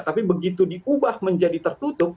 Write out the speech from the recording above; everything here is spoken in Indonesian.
tapi begitu diubah menjadi tertutup